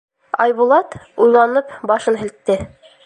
Айбулат, уйланып, башын һелкте: